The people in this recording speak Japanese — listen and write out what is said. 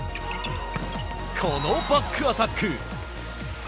このバックアタック。